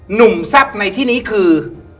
หนุ่มแซ่บในที่นี้คือ